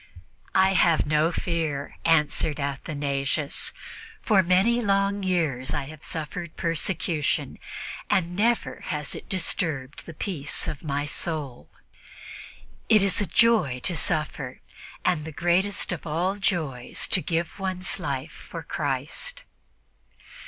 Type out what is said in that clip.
"I have no fear," answered Athanasius; "for many long years I have suffered persecution, and never has it disturbed the peace of my soul. It is a joy to suffer, and the greatest of all joys is to give one's life for Christ."